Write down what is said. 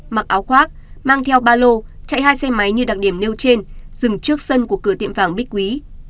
mặc áo khoác mang theo ba lô chạy hai xe máy như đặc điểm nêu trên dừng trước sân của cửa tiệm vàng bích quý